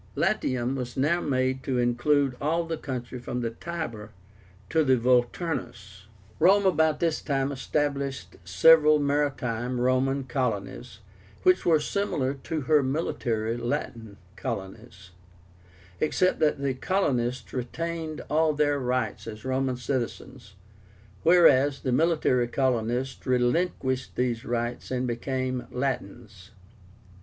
LATIUM was now made to include all the country from the Tiber to the Volturnus. Rome about this time established several MARITIME (Roman) COLONIES, which were similar to her MILITARY (Latin) COLONIES, except that the colonists retained all their rights as Roman citizens, whereas the military colonists relinquished these rights and became Latins.